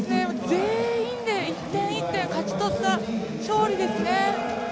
全員で１点１点勝ち取った勝利ですね。